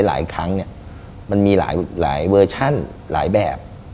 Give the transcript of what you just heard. หลายครั้งเนี่ยมันมีหลายเวอร์ชั่นหลายแบบ